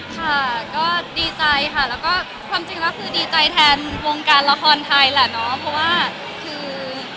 ค่ะก็ดีใจค่ะแล้วก็ความจริงก็คือดีใจแทนวงการละครไทยแหละเนาะเพราะว่าคือ